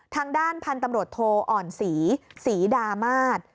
ทางด้านพันธุ์ตำรวจโทอ่อนศรีศรีดามาศ